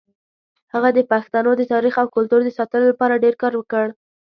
هغه د پښتنو د تاریخ او کلتور د ساتلو لپاره ډېر کار وکړ.